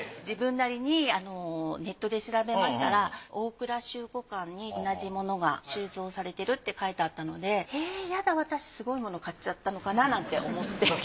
自分なりにネットで調べましたら大倉集古館に同じものが収蔵されてるって書いてあったのでえぇやだ私すごいもの買っちゃったのかななんて思って。